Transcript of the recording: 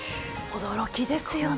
驚きですよね。